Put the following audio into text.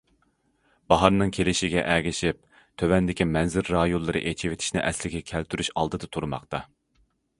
باھارنىڭ كېلىشىگە ئەگىشىپ تۆۋەندىكى مەنزىرە رايونلىرى ئېچىۋېتىشنى ئەسلىگە كەلتۈرۈش ئالدىدا تۇرماقتا!